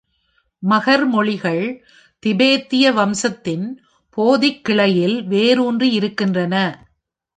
மகர் மொழிகள் திபெத்திய வம்சத்தின் போதிக் கிளையில் வேரூன்றி இருக்கின்றன.